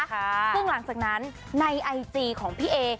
ซึ่งหลังจากนั้นในไอจีของพี่เอ